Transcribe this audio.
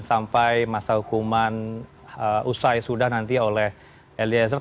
sampai masa hukuman usai sudah nanti oleh eliezer